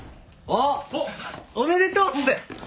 あっおめでとうっす！